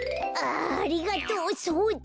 あありがとう！